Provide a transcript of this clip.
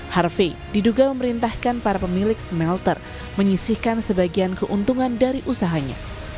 harvey diduga memerintahkan para pemilik smelter menyisihkan sebagian keuntungan dari usahanya